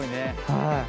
はい。